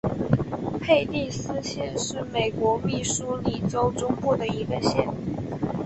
佩蒂斯县是美国密苏里州中部的一个县。